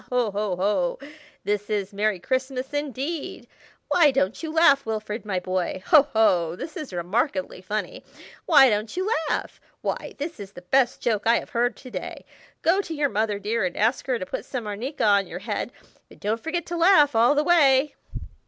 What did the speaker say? ho! ho! ho! this is Merry Christmas, indeed! Why don't you laugh, Wilfrid, my boy? Ho! ho! this is remarkably funny. Why don't you laugh? Why, this is the best joke I have heard to day. Go to your mother, dear, and ask her to put some arnica on your head, but don't forget to laugh all the way."